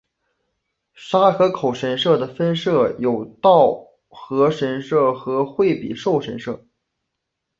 沙河口神社的分社有稻荷神社和惠比寿神社。